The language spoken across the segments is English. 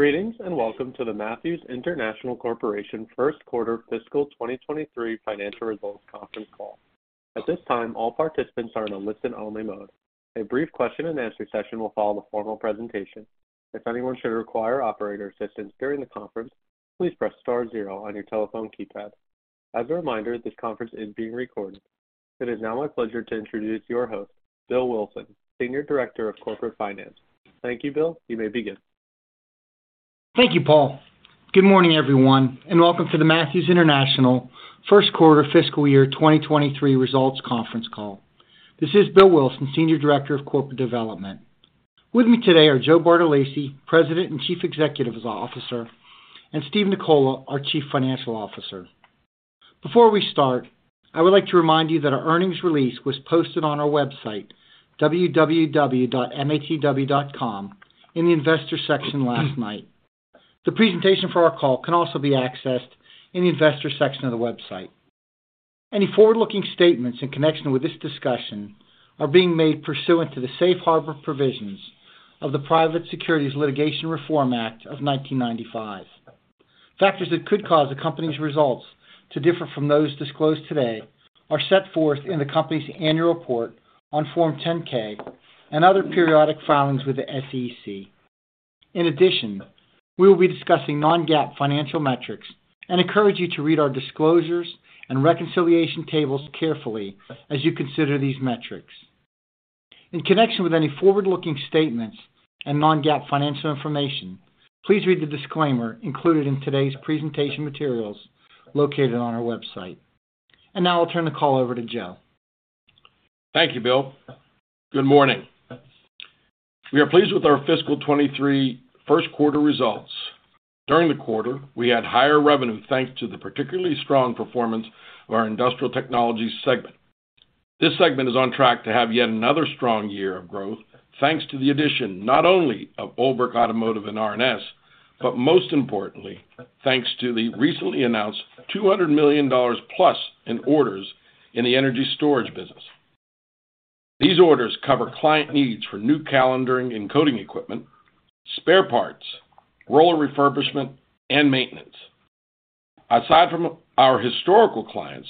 Greetings, welcome to the Matthews International Corporation First Quarter Fiscal 2023 Financial Results Conference Call. At this time, all participants are in a listen-only mode. A brief question and answer session will follow the formal presentation. If anyone should require operator assistance during the conference, please press star zero on your telephone keypad. As a reminder, this conference is being recorded. It is now my pleasure to introduce your host, Bill Wilson, Senior Director of Corporate Finance. Thank you, Bill. You may begin. Thank you, Paul. Good morning, everyone, and welcome to the Matthews International first quarter fiscal year 2023 results conference call. This is Bill Wilson, Senior Director of Corporate Development. With me today are Joe Bartolacci, President and Chief Executive Officer, and Steve Nicola, our Chief Financial Officer. Before we start, I would like to remind you that our earnings release was posted on our website, www.matw.com, in the investor section last night. The presentation for our call can also be accessed in the investor section of the website. Any forward-looking statements in connection with this discussion are being made pursuant to the Safe Harbor Provisions of the Private Securities Litigation Reform Act of 1995. Factors that could cause the company's results to differ from those disclosed today are set forth in the company's annual report on Form 10-K and other periodic filings with the SEC. In addition, we will be discussing non-GAAP financial metrics and encourage you to read our disclosures and reconciliation tables carefully as you consider these metrics. In connection with any forward-looking statements and non-GAAP financial information, please read the disclaimer included in today's presentation materials located on our website. Now I'll turn the call over to Joe. Thank you, Bill. Good morning. We are pleased with our fiscal 2023 first quarter results. During the quarter, we had higher revenue thanks to the particularly strong performance of our industrial technologies segment. This segment is on track to have yet another strong year of growth, thanks to the addition not only of OLBRICH Automotive and R+S, but most importantly, thanks to the recently announced $200 million+ in orders in the energy storage business. These orders cover client needs for new calendering and coating equipment, spare parts, roller refurbishment, and maintenance. Aside from our historical clients,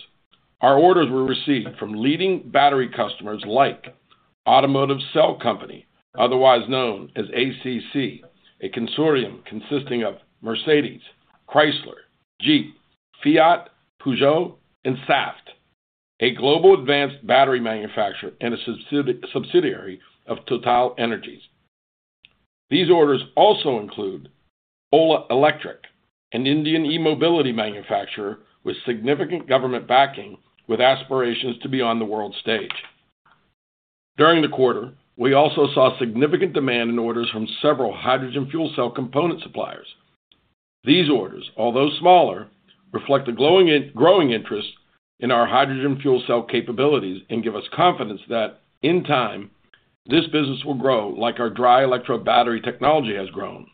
our orders were received from leading battery customers like Automotive Cells Company, otherwise known as ACC, a consortium consisting of Mercedes-Benz, Chrysler, Jeep, Fiat, Peugeot, and Saft, a global advanced battery manufacturer and a subsidiary of TotalEnergies. These orders also include Ola Electric, an Indian e-mobility manufacturer with significant government backing with aspirations to be on the world stage. During the quarter, we also saw significant demand in orders from several hydrogen fuel cell component suppliers. These orders, although smaller, reflect a growing interest in our hydrogen fuel cell capabilities and give us confidence that, in time, this business will grow like our dry electrode battery technology has grown.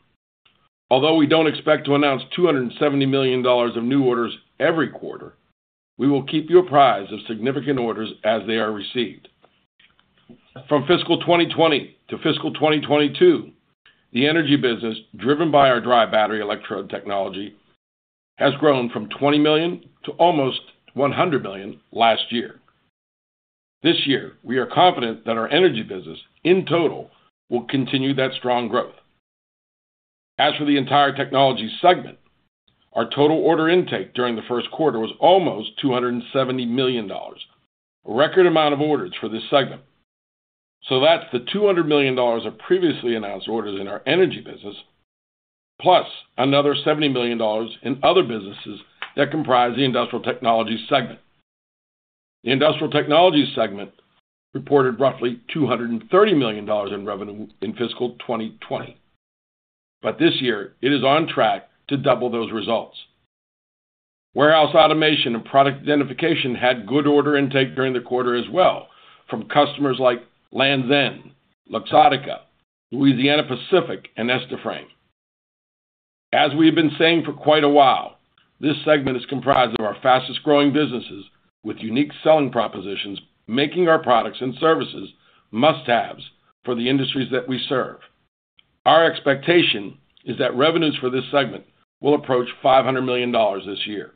We don't expect to announce $270 million of new orders every quarter, we will keep you apprised of significant orders as they are received. From fiscal 2020 to fiscal 2022, the energy business, driven by our dry battery electrode technology, has grown from $20 million to almost $100 million last year. This year, we are confident that our energy business, in total, will continue that strong growth. As for the entire technology segment, our total order intake during the first quarter was almost $270 million, a record amount of orders for this segment. That's the $200 million of previously announced orders in our energy business, plus another $70 million in other businesses that comprise the industrial technologies segment. The industrial technologies segment reported roughly $230 million in revenue in fiscal 2020, this year it is on track to double those results. Warehouse automation and product identification had good order intake during the quarter as well from customers like Lenze, Luxottica, Louisiana Pacific, and A-Frame. As we have been saying for quite a while, this segment is comprised of our fastest-growing businesses with unique selling propositions, making our products and services must-haves for the industries that we serve. Our expectation is that revenues for this segment will approach $500 million this year.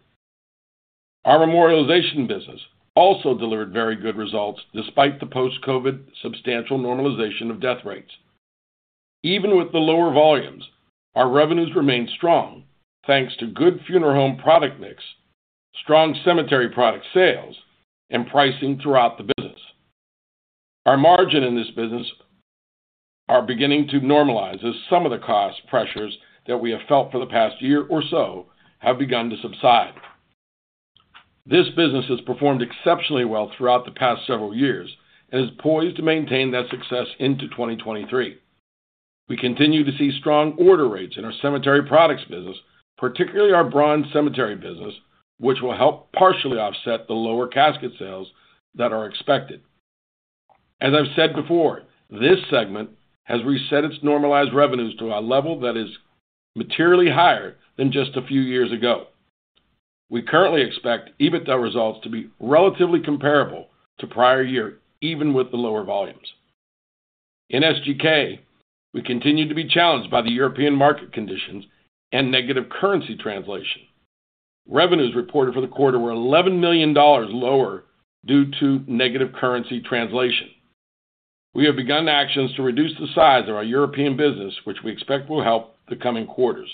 Our memorialization business also delivered very good results despite the post-COVID substantial normalization of death rates. Even with the lower volumes, our revenues remained strong, thanks to good funeral home product mix, strong cemetery product sales, and pricing throughout the business. Our margin in this business are beginning to normalize as some of the cost pressures that we have felt for the past year or so have begun to subside. This business has performed exceptionally well throughout the past several years and is poised to maintain that success into 2023. We continue to see strong order rates in our cemetery products business, particularly our bronze cemetery business, which will help partially offset the lower casket sales that are expected. As I've said before, this segment has reset its normalized revenues to a level that is materially higher than just a few years ago. We currently expect EBITDA results to be relatively comparable to prior year, even with the lower volumes. In SGK, we continue to be challenged by the European market conditions and negative currency translation. Revenues reported for the quarter were $11 million lower due to negative currency translation. We have begun actions to reduce the size of our European business, which we expect will help the coming quarters.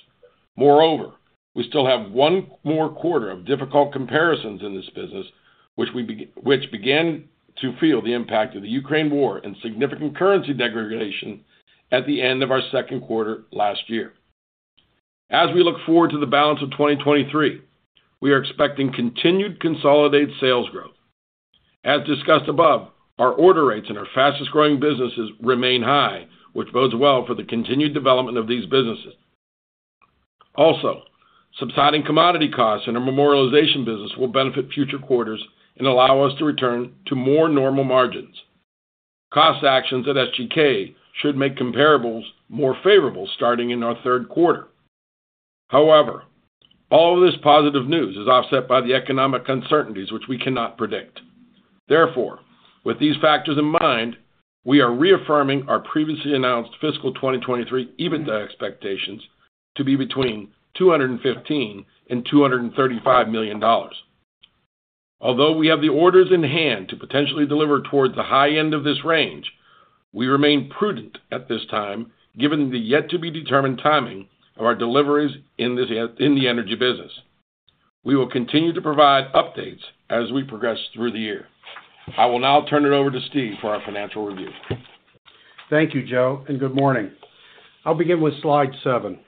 Moreover, we still have one more quarter of difficult comparisons in this business, which began to feel the impact of the Ukraine war and significant currency degradation at the end of our second quarter last year. As we look forward to the balance of 2023, we are expecting continued consolidated sales growth. As discussed above, our order rates in our fastest-growing businesses remain high, which bodes well for the continued development of these businesses. Subsiding commodity costs in our memorialization business will benefit future quarters and allow us to return to more normal margins. Cost actions at SGK should make comparables more favorable starting in our third quarter. All of this positive news is offset by the economic uncertainties which we cannot predict. With these factors in mind, we are reaffirming our previously announced fiscal 2023 EBITDA expectations to be between $215 million and $235 million. We have the orders in hand to potentially deliver towards the high end of this range, we remain prudent at this time, given the yet to be determined timing of our deliveries in this in the energy business. We will continue to provide updates as we progress through the year. I will now turn it over to Steve for our financial review. Thank you, Joe, and good morning. I'll begin with slide seven.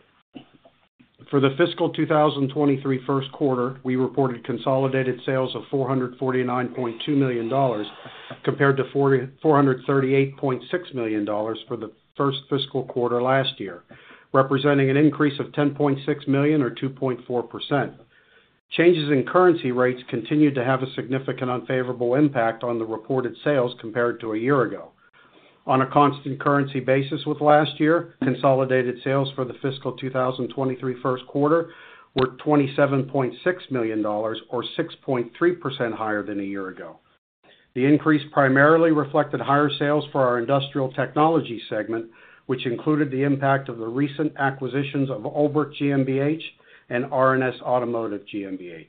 For the fiscal 2023 first quarter, we reported consolidated sales of $449.2 million, compared to $438.6 million for the first fiscal quarter last year, representing an increase of $10.6 million or 2.4%. Changes in currency rates continued to have a significant unfavorable impact on the reported sales compared to a year ago. On a constant currency basis with last year, consolidated sales for the fiscal 2023 first quarter were $27.6 million or 6.3% higher than a year ago. The increase primarily reflected higher sales for our Industrial Technology segment, which included the impact of the recent acquisitions of OLBRICH GmbH and R+S Automotive GmbH.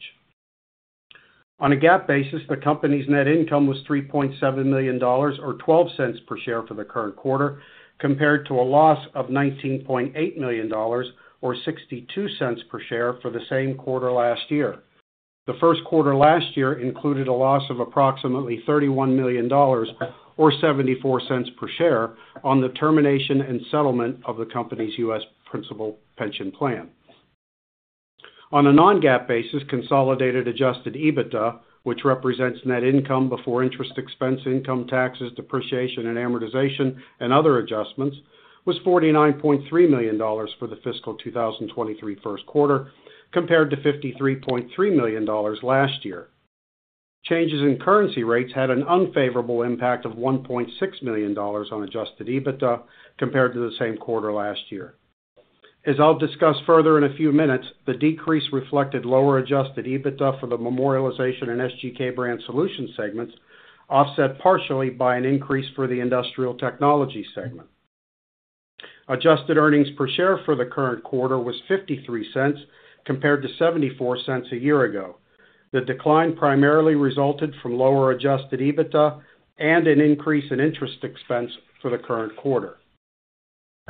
On a GAAP basis, the company's net income was $3.7 million or $0.12 per share for the current quarter, compared to a loss of $19.8 million or $0.62 per share for the same quarter last year. The first quarter last year included a loss of approximately $31 million or $0.74 per share on the termination and settlement of the company's U.S. principal pension plan. On a non-GAAP basis, consolidated Adjusted EBITDA, which represents net income before interest expense, income taxes, depreciation and amortization and other adjustments, was $49.3 million for the fiscal 2023 first quarter, compared to $53.3 million last year. Changes in currency rates had an unfavorable impact of $1.6 million on Adjusted EBITDA compared to the same quarter last year. As I'll discuss further in a few minutes, the decrease reflected lower Adjusted EBITDA for the Memorialization and SGK Brand Solutions segments, offset partially by an increase for the Industrial Technology segment. Adjusted earnings per share for the current quarter was $0.53 compared to $0.74 a year ago. The decline primarily resulted from lower Adjusted EBITDA and an increase in interest expense for the current quarter.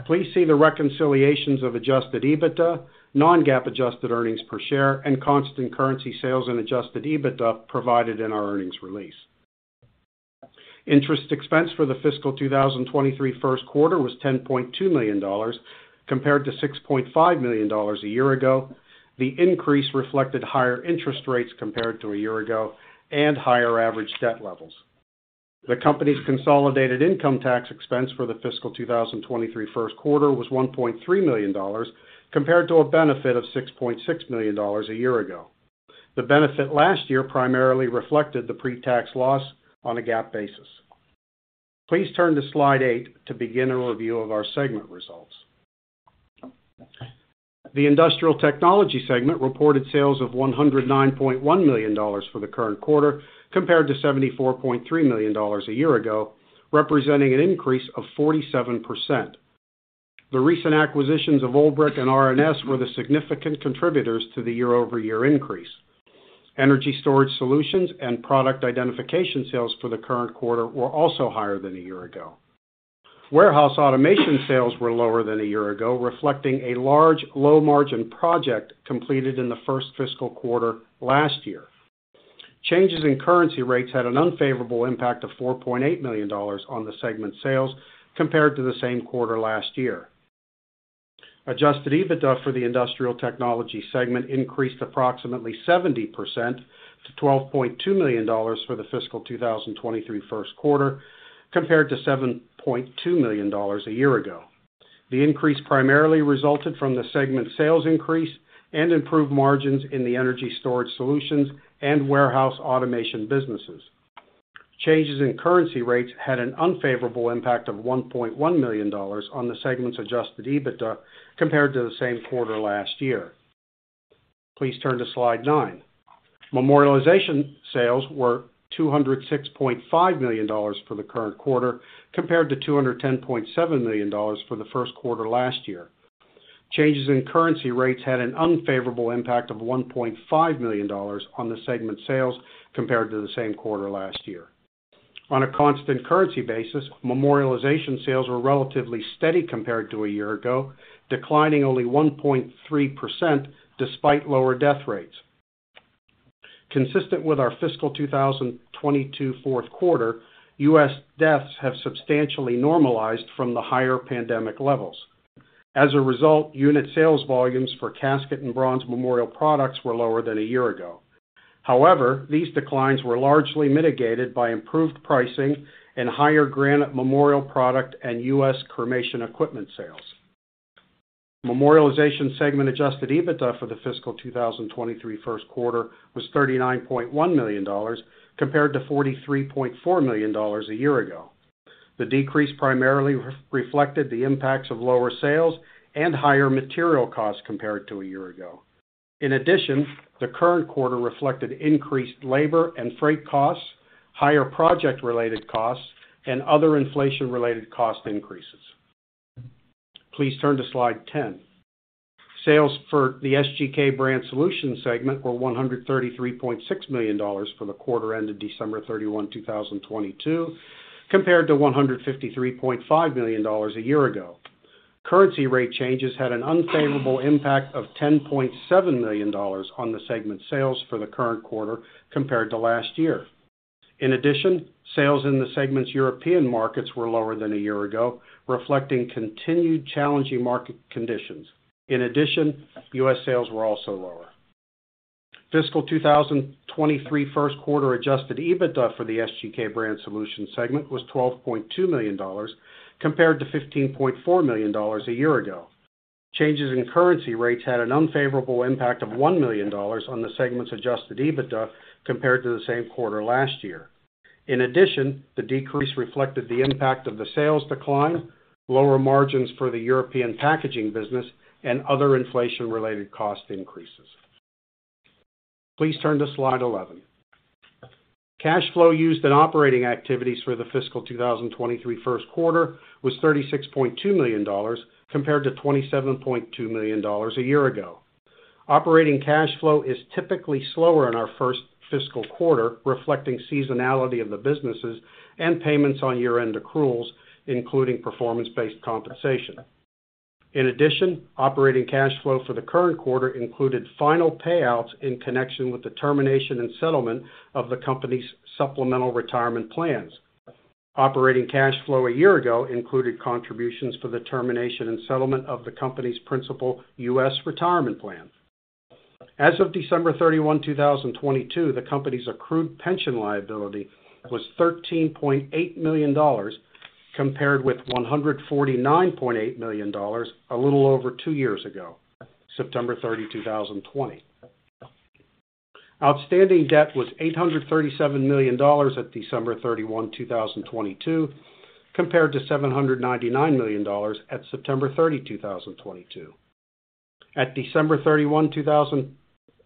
Please see the reconciliations of Adjusted EBITDA, non-GAAP adjusted earnings per share, and constant currency sales and Adjusted EBITDA provided in our earnings release. Interest expense for the fiscal 2023 first quarter was $10.2 million compared to $6.5 million a year ago. The increase reflected higher interest rates compared to a year ago and higher average debt levels. The company's consolidated income tax expense for the fiscal 2023 first quarter was $1.3 million, compared to a benefit of $6.6 million a year ago. The benefit last year primarily reflected the pre-tax loss on a GAAP basis. Please turn to slide eight to begin a review of our segment results. The Industrial Technology segment reported sales of $109.1 million for the current quarter, compared to $74.3 million a year ago, representing an increase of 47%. The recent acquisitions of OLBRICH and R+S were the significant contributors to the year-over-year increase. Energy storage solutions and product identification sales for the current quarter were also higher than a year ago. Warehouse automation sales were lower than a year ago, reflecting a large low-margin project completed in the first fiscal quarter last year. Changes in currency rates had an unfavorable impact of $4.8 million on the segment's sales compared to the same quarter last year. Adjusted EBITDA for the Industrial Technology segment increased approximately 70% to $12.2 million for the fiscal 2023 first quarter, compared to $7.2 million a year ago. The increase primarily resulted from the segment's sales increase and improved margins in the energy storage solutions and warehouse automation businesses. Changes in currency rates had an unfavorable impact of $1.1 million on the segment's Adjusted EBITDA compared to the same quarter last year. Please turn to slide nine. Memorialization sales were $206.5 million for the current quarter, compared to $210.7 million for the first quarter last year. Changes in currency rates had an unfavorable impact of $1.5 million on the segment sales compared to the same quarter last year. On a constant currency basis, memorialization sales were relatively steady compared to a year ago, declining only 1.3% despite lower death rates. Consistent with our fiscal 2022 fourth quarter, U.S. deaths have substantially normalized from the higher pandemic levels. As a result, unit sales volumes for casket and bronze memorial products were lower than a year ago. However, these declines were largely mitigated by improved pricing and higher granite memorial product and U.S. cremation equipment sales. Memorialization segment Adjusted EBITDA for the fiscal 2023 first quarter was $39.1 million, compared to $43.4 million a year ago. The decrease primarily reflected the impacts of lower sales and higher material costs compared to a year ago. The current quarter reflected increased labor and freight costs, higher project-related costs, and other inflation-related cost increases. Please turn to slide 10. Sales for the SGK Brand Solutions segment were $133.6 million for the quarter ended December 31, 2022, compared to $153.5 million a year ago. Currency rate changes had an unfavorable impact of $10.7 million on the segment sales for the current quarter compared to last year. Sales in the segment's European markets were lower than a year ago, reflecting continued challenging market conditions. U.S. sales were also lower. Fiscal 2023 first quarter Adjusted EBITDA for the SGK Brand Solutions segment was $12.2 million, compared to $15.4 million a year ago. Changes in currency rates had an unfavorable impact of $1 million on the segment's Adjusted EBITDA compared to the same quarter last year. In addition, the decrease reflected the impact of the sales decline, lower margins for the European packaging business, and other inflation-related cost increases. Please turn to slide 11. Cash flow used in operating activities for the fiscal 2023 first quarter was $36.2 million, compared to $27.2 million a year ago. Operating cash flow is typically slower in our first fiscal quarter, reflecting seasonality of the businesses and payments on year-end accruals, including performance-based compensation. In addition, operating cash flow for the current quarter included final payouts in connection with the termination and settlement of the company's supplemental retirement plans. Operating cash flow a year ago included contributions for the termination and settlement of the company's principal U.S. retirement plan. As of December 31, 2022, the company's accrued pension liability was $13.8 million, compared with $149.8 million a little over two years ago, September 30, 2020. Outstanding debt was $837 million at December 31, 2022, compared to $799 million at September 30, 2022. At December 31, 2000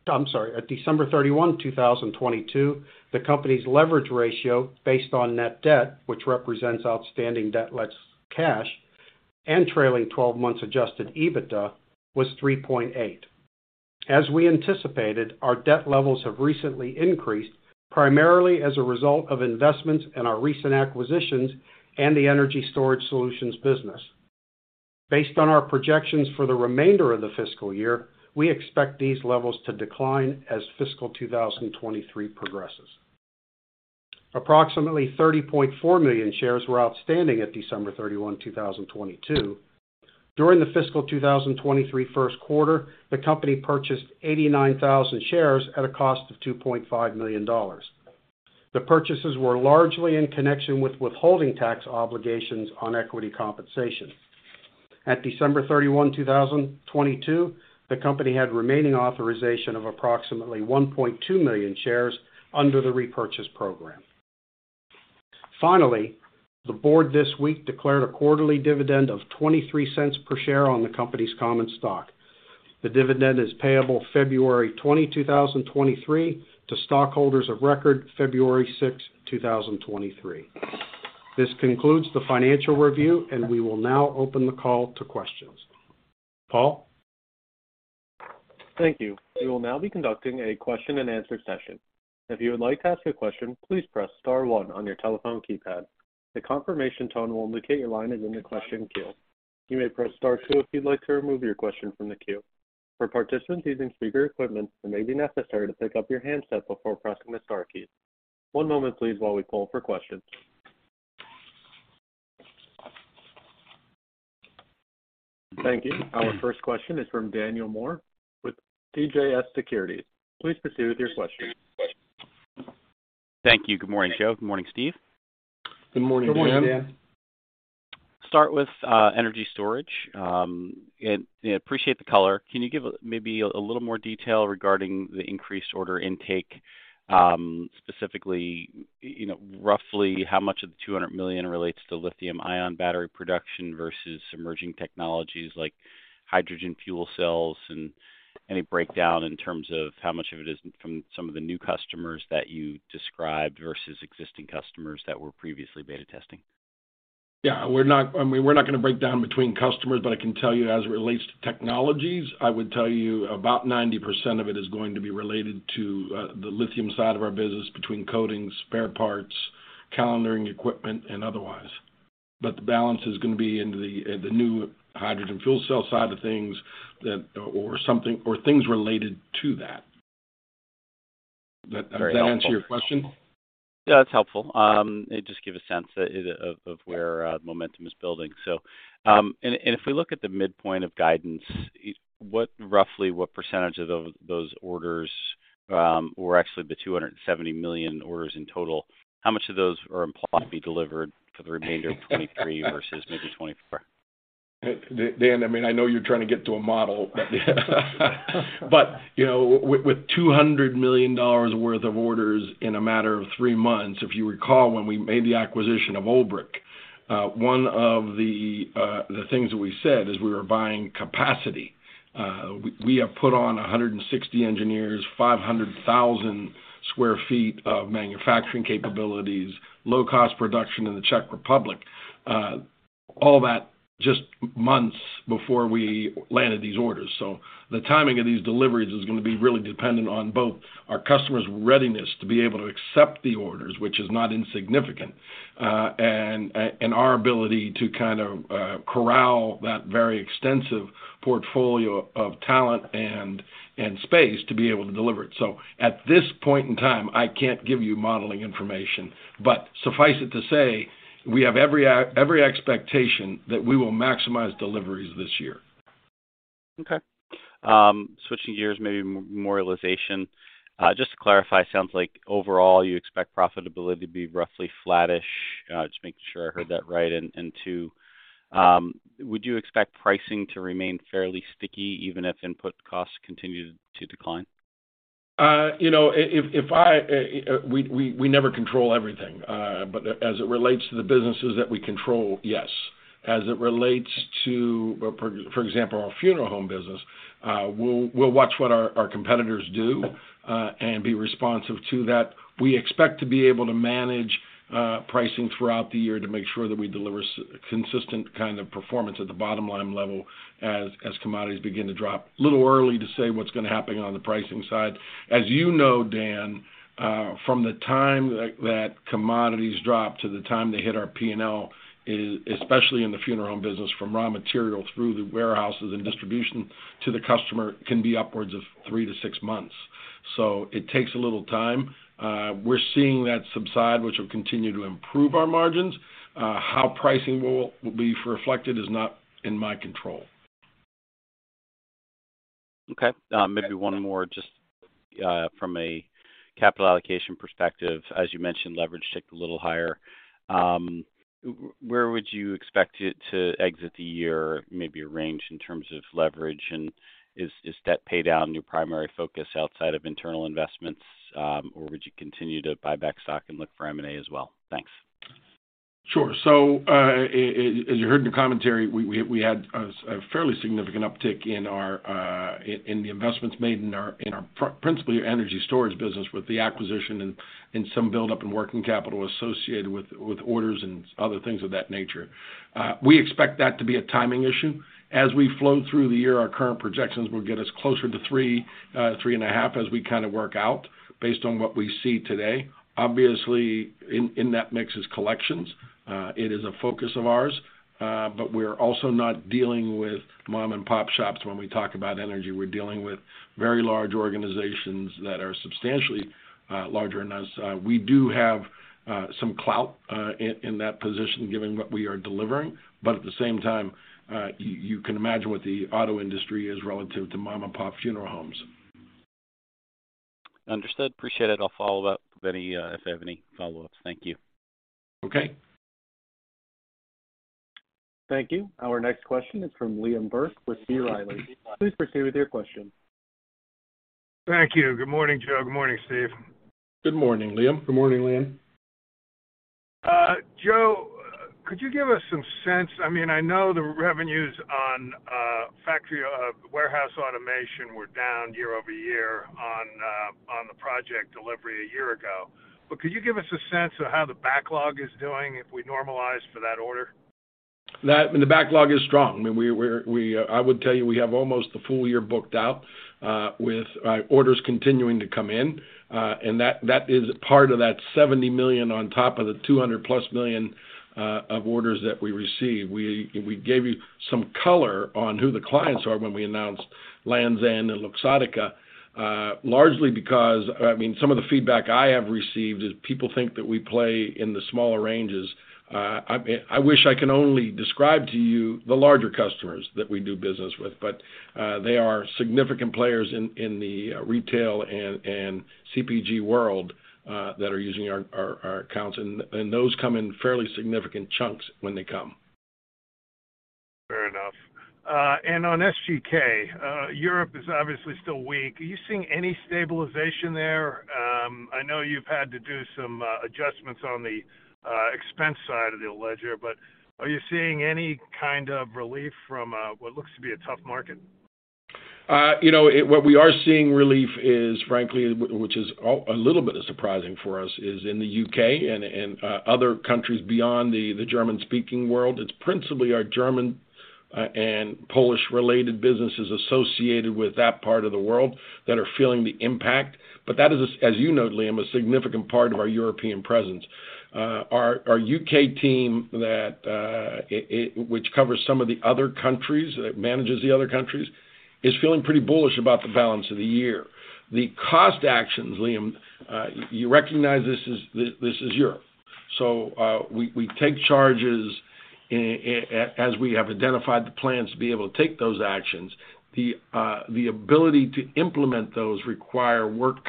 I'm sorry. At December 31, 2022, the company's leverage ratio based on net debt, which represents outstanding debt less cash, and trailing 12 months Adjusted EBITDA, was 3.8. As we anticipated, our debt levels have recently increased, primarily as a result of investments in our recent acquisitions and the energy storage solutions business. Based on our projections for the remainder of the fiscal year, we expect these levels to decline as fiscal 2023 progresses. Approximately 30.4 million shares were outstanding at December 31, 2022. During the fiscal 2023 first quarter, the company purchased 89,000 shares at a cost of $2.5 million. The purchases were largely in connection with withholding tax obligations on equity compensation. At December 31, 2022, the company had remaining authorization of approximately 1.2 million shares under the repurchase program. Finally, the board this week declared a quarterly dividend of $0.23 per share on the company's common stock. The dividend is payable February 20, 2023 to stockholders of record February 6, 2023. This concludes the financial review, and we will now open the call to questions. Paul? Thank you. We will now be conducting a question-and-answer session. If you would like to ask a question, please press star one on your telephone keypad. The confirmation tone will indicate your line is in the question queue. You may press star two if you'd like to remove your question from the queue. For participants using speaker equipment, it may be necessary to pick up your handset before pressing the star key. One moment please while we poll for questions. Thank you. Our first question is from Daniel Moore with CJS Securities. Please proceed with your question. Thank you. Good morning, Joe. Good morning, Steve. Good morning, Dan. Start with energy storage. You know, appreciate the color. Can you give maybe a little more detail regarding the increased order intake, specifically, you know, roughly how much of the $200 million relates to lithium-ion battery production versus emerging technologies like hydrogen fuel cells, and any breakdown in terms of how much of it is from some of the new customers that you described versus existing customers that were previously beta testing? Yeah. I mean, we're not gonna break down between customers, I can tell you as it relates to technologies, I would tell you about 90% of it is going to be related to the lithium side of our business between coatings, spare parts, calendaring equipment, and otherwise. The balance is gonna be in the new hydrogen fuel cell side of things or things related to that. Very helpful. Sure. does that answer your question? Yeah, it's helpful. it just give a sense of where momentum is building. If we look at the midpoint of guidance, roughly what % of those orders, or actually the $270 million orders in total, how much of those are implied to be delivered for the remainder of 2023 versus maybe 2024? Dan, I mean, I know you're trying to get to a model, but, you know, with $200 million worth of orders in a matter of three months, if you recall, when we made the acquisition of OLBRICH, one of the things that we said is we were buying capacity. We have put on 160 engineers, 500,000 sq ft of manufacturing capabilities, low-cost production in the Czech Republic, all that just months before we landed these orders. The timing of these deliveries is gonna be really dependent on both our customers' readiness to be able to accept the orders, which is not insignificant, and our ability to kind of corral that very extensive portfolio of talent and space to be able to deliver it. At this point in time, I can't give you modeling information. Suffice it to say, we have every expectation that we will maximize deliveries this year. Okay. Switching gears, maybe memorialization. Just to clarify, it sounds like overall you expect profitability to be roughly flattish, just making sure I heard that right. Two, would you expect pricing to remain fairly sticky even if input costs continue to decline? You know, we never control everything. As it relates to the businesses that we control, yes. As it relates to, for example, our funeral home business, we'll watch what our competitors do and be responsive to that. We expect to be able to manage pricing throughout the year to make sure that we deliver consistent kind of performance at the bottom line level as commodities begin to drop. A little early to say what's gonna happen on the pricing side. As you know, Dan, from the time that commodities drop to the time they hit our P&L, especially in the funeral home business, from raw material through the warehouses and distribution to the customer can be upwards of three to six months. It takes a little time. We're seeing that subside, which will continue to improve our margins. How pricing will be reflected is not in my control. Okay. Maybe one more just from a capital allocation perspective. As you mentioned, leverage ticked a little higher. Where would you expect it to exit the year, maybe a range in terms of leverage? Is debt paydown your primary focus outside of internal investments, or would you continue to buy back stock and look for M&A as well? Thanks. Sure. As you heard in the commentary, we had a fairly significant uptick in our in the investments made in our principally energy storage business with the acquisition and some buildup in working capital associated with orders and other things of that nature. We expect that to be a timing issue. As we flow through the year, our current projections will get us closer to three and a half as we kind of work out based on what we see today. Obviously, in that mix is collections. It is a focus of ours, but we're also not dealing with mom and pop shops when we talk about energy. We're dealing with very large organizations that are substantially larger than us. We do have some clout in that position given what we are delivering. But at the same time, you can imagine what the auto industry is relative to mom and pop funeral homes. Understood. Appreciate it. I'll follow up with any if I have any follow-ups. Thank you. Okay. Thank you. Our next question is from Liam Burke with B. Riley. Please proceed with your question. Thank you. Good morning, Joe. Good morning, Steve. Good morning, Liam. Good morning, Liam. Joe, could you give us some sense, I mean, I know the revenues on factory, warehouse automation were down year-over-year on the project delivery a year ago. Could you give us a sense of how the backlog is doing if we normalize for that order? The backlog is strong. I mean, we, I would tell you we have almost the full year booked out with orders continuing to come in. That is part of that $70 million on top of the $200+ million of orders that we received. We gave you some color on who the clients are when we announced Lenze and Luxottica, largely because, I mean, some of the feedback I have received is people think that we play in the smaller ranges. I wish I can only describe to you the larger customers that we do business with, but they are significant players in the retail and CPG world that are using our accounts. Those come in fairly significant chunks when they come. On SGK, Europe is obviously still weak. Are you seeing any stabilization there? I know you've had to do some adjustments on the expense side of the ledger, but are you seeing any kind of relief from what looks to be a tough market? You know, what we are seeing relief is frankly, which is a little bit surprising for us, is in the U.K. and other countries beyond the German-speaking world. It's principally our German and Polish related businesses associated with that part of the world that are feeling the impact. That is, as you know, Liam, a significant part of our European presence. Our U.K. team that which covers some of the other countries, manages the other countries, is feeling pretty bullish about the balance of the year. The cost actions, Liam, you recognize this is Europe. We take charges as we have identified the plans to be able to take those actions. The ability to implement those require works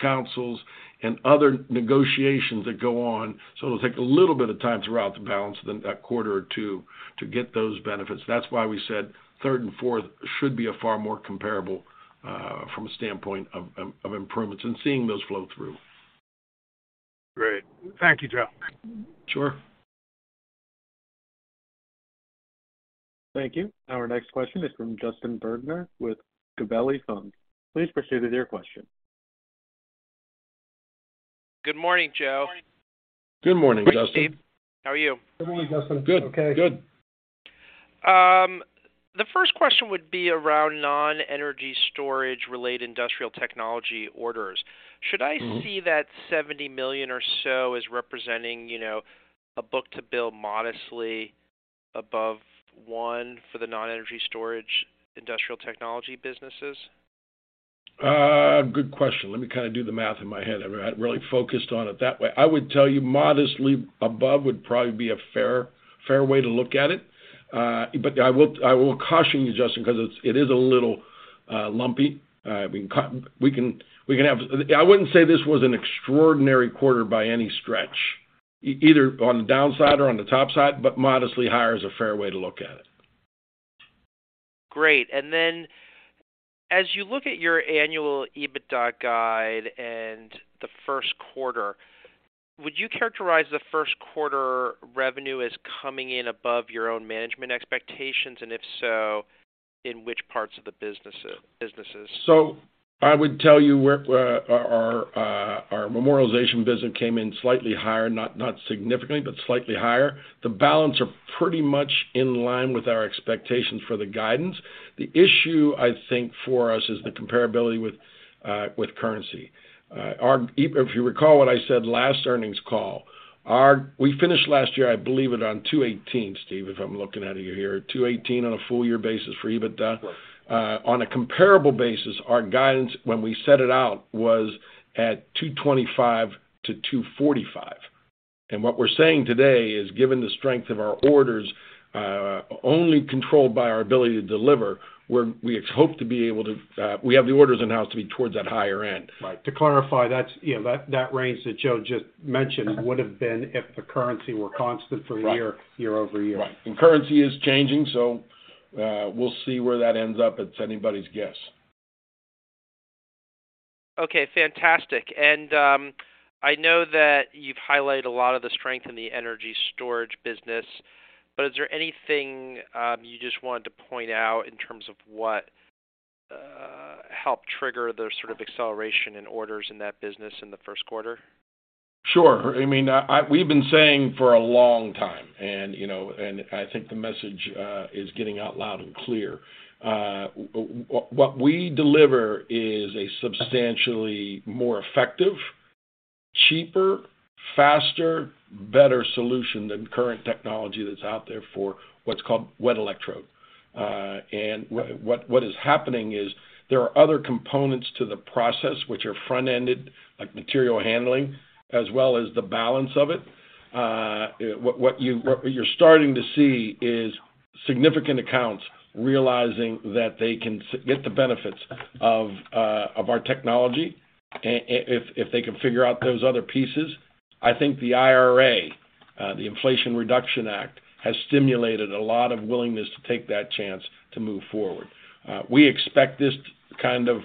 councils and other negotiations that go on. It'll take a little bit of time throughout the balance than that quarter or two to get those benefits. That's why we said third and fourth should be a far more comparable from a standpoint of improvements and seeing those flow through. Great. Thank you, Joe. Sure. Thank you. Our next question is from Justin Bergner with Gabelli Funds. Please proceed with your question. Good morning, Joe. Good morning, Justin. Steve, how are you? Good morning, Justin. I'm okay. Good. The first question would be around non-energy storage related industrial technology orders. Mm-hmm. Should I see that $70 million or so as representing, you know, a book-to-bill modestly above one for the non-energy storage industrial technology businesses? Good question. Let me kind of do the math in my head. I'm not really focused on it that way. I would tell you modestly above would probably be a fair way to look at it. I will caution you, Justin, 'cause it's a little lumpy. We can have. I wouldn't say this was an extraordinary quarter by any stretch, either on the downside or on the top side, but modestly higher is a fair way to look at it. Great. Then as you look at your annual EBITDA guide and the first quarter, would you characterize the first quarter revenue as coming in above your own management expectations, and if so, in which parts of the businesses? I would tell you where our memorialization business came in slightly higher, not significantly, but slightly higher. The balance are pretty much in line with our expectations for the guidance. The issue I think for us is the comparability with currency. If you recall what I said last earnings call, we finished last year, I believe it on $218, Steve, if I'm looking at you here. $218 on a full year basis for EBITDA. Right. On a comparable basis, our guidance when we set it out was at $225-$245. What we're saying today is, given the strength of our orders, only controlled by our ability to deliver, we hope to be able to, we have the orders in-house to be towards that higher end. Right. To clarify that, you know, that range that Joe just mentioned. Uh-huh. would have been if the currency were constant for a year. Right. year-over-year. Right. Currency is changing, so we'll see where that ends up. It's anybody's guess. Okay, fantastic. I know that you've highlighted a lot of the strength in the energy storage business, but is there anything you just wanted to point out in terms of what helped trigger the sort of acceleration in orders in that business in the first quarter? Sure. I mean, we've been saying for a long time, you know, and I think the message is getting out loud and clear. What we deliver is a substantially more effective, cheaper, faster, better solution than current technology that's out there for what's called wet electrode. What is happening is there are other components to the process which are front-ended, like material handling, as well as the balance of it. What you're starting to see is significant accounts realizing that they can get the benefits of our technology if they can figure out those other pieces. I think the IRA, the Inflation Reduction Act, has stimulated a lot of willingness to take that chance to move forward. We expect this kind of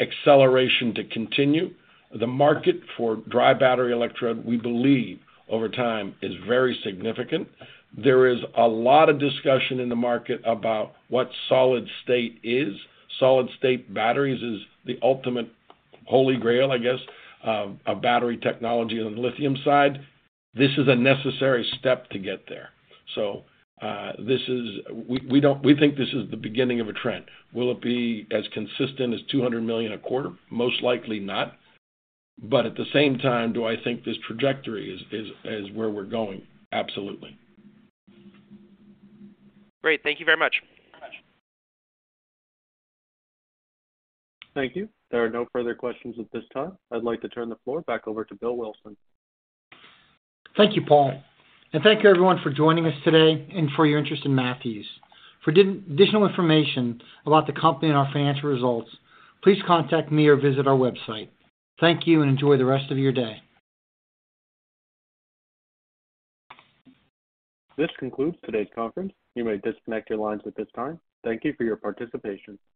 acceleration to continue. The market for dry battery electrode, we believe over time, is very significant. There is a lot of discussion in the market about what solid-state is. Solid-state batteries is the ultimate holy grail, I guess, of battery technology on the lithium side. This is a necessary step to get there. We think this is the beginning of a trend. Will it be as consistent as $200 million a quarter? Most likely not. At the same time, do I think this trajectory is where we're going? Absolutely. Great. Thank you very much. Thank you. There are no further questions at this time. I'd like to turn the floor back over to Bill Wilson. Thank you, Paul. Thank you everyone for joining us today and for your interest in Matthews. For additional information about the company and our financial results, please contact me or visit our website. Thank you and enjoy the rest of your day. This concludes today's conference. You may disconnect your lines at this time. Thank you for your participation.